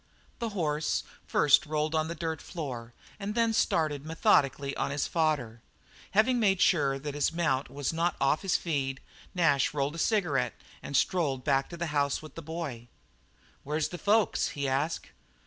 The horse first rolled on the dirt floor and then started methodically on his fodder. Having made sure that his mount was not "off his feed," Nash rolled a cigarette and strolled back to the house with the boy. "Where's the folks?" he asked.